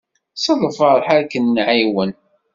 S lferḥ ara k-nɛiwen.